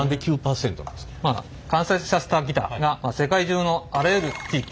完成させたギターが世界中のあらゆる地域